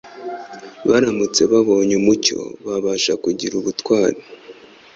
Baramutse babonye umucyo, babasha kugira ubutwari